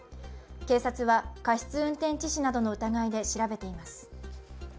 警察は、過失運転致死などの疑いで調べています。